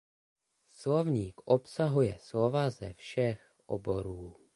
Slovník obsahuje slova ze všech oborů.